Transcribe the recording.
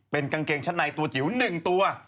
เป็นกางเกงชั้นในตัวจิ๋ว๑ตัว